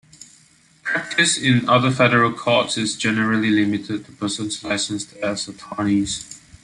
Practice in other federal courts is generally limited to persons licensed as attorneys.